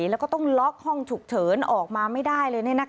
แล้วก็ต้องล็อกห้องฉุกเฉินออกมาไม่ได้เลย